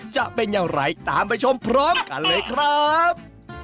จะเป็นอย่างไรตามไปชมพร้อมกันเลยครับ